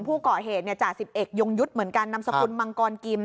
ผู้ก่อเหตุจ่าสิบเอกยงยุทธ์เหมือนกันนามสกุลมังกรกิม